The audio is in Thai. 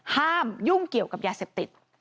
ยุ่งเกี่ยวกับยาเสพติด